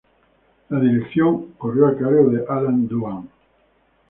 La dirección corrió a cargo de Allan Dwan.